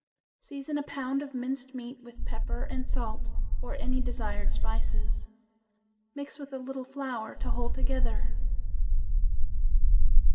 Season a pound of minced meat with pepper and salt or any desired spices. Mix with a little flour to hold together.